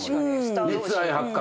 熱愛発覚。